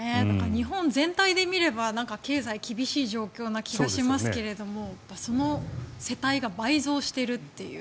日本全体で見れば経済、厳しい状況な気がしますがその世帯が倍増しているという。